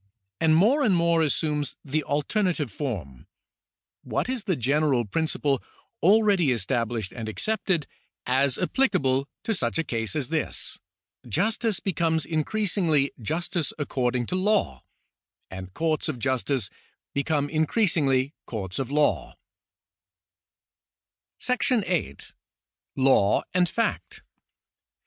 and more and more assumes the alternative form, " What is the general principle already established and accepted, as applicable to such a case as this ?" Justice becomes increasingly justice according to law, and courts of justice become increasingly courts of law. §8] CIVIL LAW 15 § 8. Law and Fact.